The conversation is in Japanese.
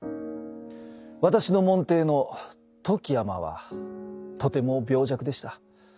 私の門弟の富木尼はとても病弱でした。